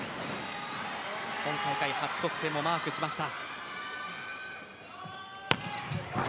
今大会、初得点もマークしました。